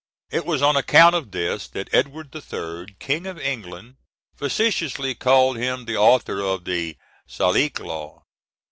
It was on account of this that Edward III., King of England, facetiously called him the author of the Salic law.